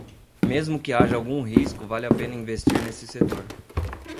Mesmo que haja algum risco, vale a pena investir nesse setor.